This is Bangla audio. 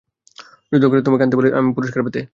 যুদ্ধ করে তোমাকে আনতে পারলে তুমি আমার পুরস্কার হতে।